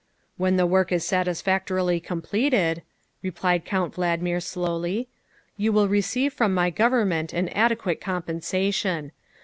" When the work is satisfactorily completed," replied Count Valdmir slowly, " you will receive from my Government an adequate compensation.